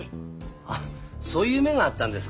あっそういう夢があったんですか。